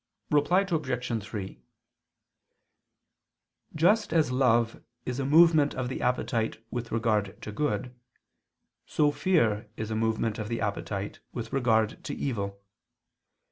Reply Obj. 3: Just as love is a movement of the appetite with regard to good, so fear is a movement of the appetite with regard to evil.